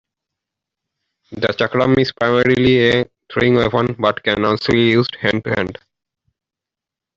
The chakram is primarily a throwing weapon but can also be used hand-to-hand.